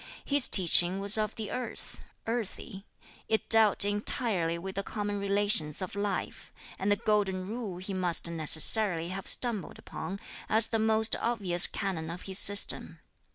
His teaching was of the earth, earthy; it dealt entirely with the common relations of life, and the Golden Rule he must necessarily have stumbled upon, as the most obvious canon of his system.